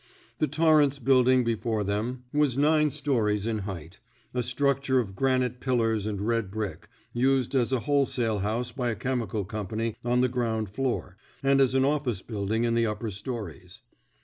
The Torrance Building before them was nine stories in height, a structure of granite pillars and red brick, used as a wholesale house by a chemical company on the ground floor, and as an office building in the upper stories.